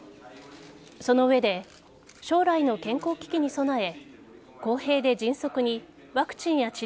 その上で将来の健康危機に備え